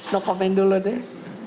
nopomen dulu deh